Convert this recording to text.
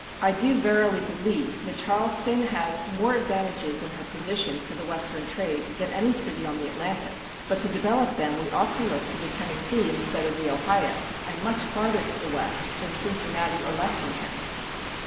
... I do verily believe that Charleston has more advantages in her position for the Western trade, than any city on the Atlantic, but to develop them we ought to look to the Tennessee instead of the Ohio, and much farther to the West than Cincinnati or Lexington."